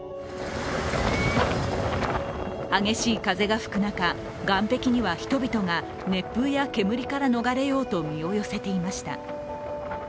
激しい風が吹く中、岸壁には人々が熱風や煙から逃れようと身を寄せていました。